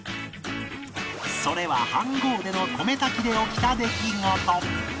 それは飯ごうでの米炊きで起きた出来事